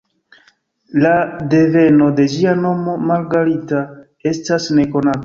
La deveno de ĝia nomo, ""Margarita"", estas nekonata.